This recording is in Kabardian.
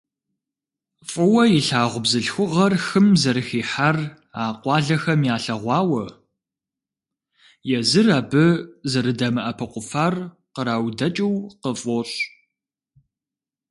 ФӀыуэ илъагъу бзылъхугъэр хым зэрыхихьар а къуалэхэм ялъэгъуауэ, езыр абы зэрыдэмыӀэпыкъуфар къраудэкӀыу къыфӀощӀ.